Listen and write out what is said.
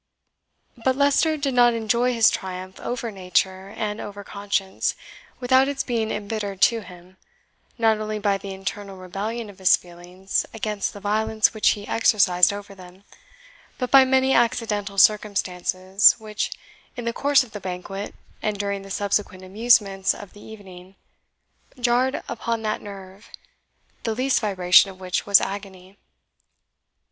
But Leicester did not enjoy this triumph over nature, and over conscience, without its being embittered to him, not only by the internal rebellion of his feelings against the violence which he exercised over them, but by many accidental circumstances, which, in the course of the banquet, and during the subsequent amusements of the evening, jarred upon that nerve, the least vibration of which was agony.